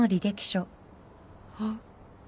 あっ。